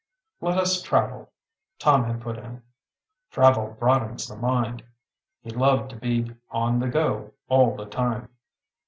"Let us travel," Tom had put in. "Travel broadens the mind." He loved to be "on the go" all the time.